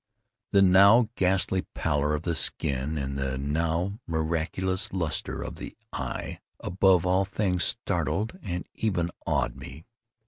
The now ghastly pallor of the skin, and the now miraculous lustre of the eye, above all things startled and even awed me.